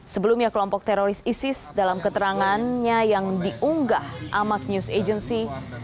sebelumnya kelompok teroris isis dalam keterangannya yang diunggah amak news agency